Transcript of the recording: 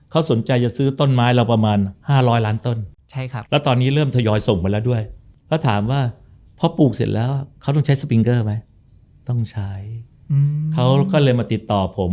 เขาสนใจจะซื้อต้นไม้เราประมาณ๕๐๐ล้านต้น